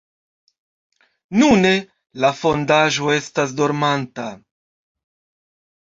Nune, la fondaĵo estas dormanta.